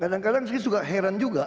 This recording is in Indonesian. kadang kadang saya juga heran juga